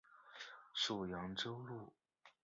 属扬州路。